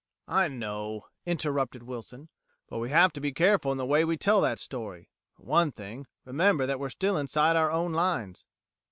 "I know," interrupted Wilson, "but we have to be careful in the way we tell that story. For one thing, remember that we're still inside our own lines."